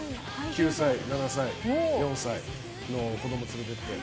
９歳、７歳、４歳の子供連れてって。